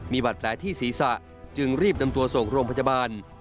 มีบาดแผลที่ศีรษะจึงรีบนำตัวส่งโรงพยาบาล